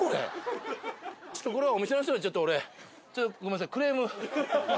ちょっとこれはお店の人にちょっと俺ちょっとごめんなさいクレーム。